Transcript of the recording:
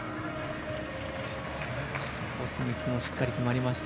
コスミックもしっかり決まりました。